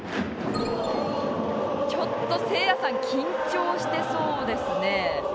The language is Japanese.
ちょっとせいやさん緊張してそうですね。